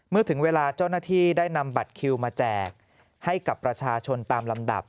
ถึงเวลาเจ้าหน้าที่ได้นำบัตรคิวมาแจกให้กับประชาชนตามลำดับ